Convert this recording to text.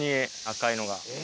赤いのが。